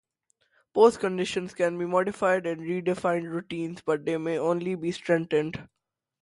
Postconditions can be modified in redefined routines, but they may only be strengthened.